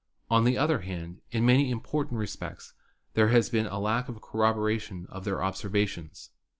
On the other hand, in many important respects there has been a lack of corroboration of their observations.